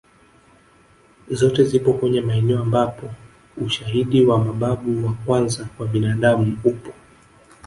Zote zipo kwenye maeneo ambapo ushahidi wa mababu wa kwanza kwa binadamu upo